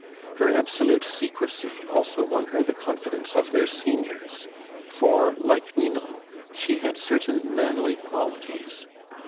Her absolute secrecy also won her the confidence of their seniors; for, like Ninon, she had certain manly qualities.